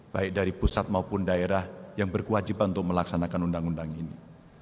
baik dari pusat maupun daerah yang berkewajiban untuk melaksanakan undang undang ini